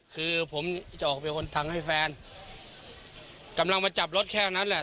คือผมจะออกเป็นคนทางให้แฟนกำลังมาจับรถแค่นั้นแหละ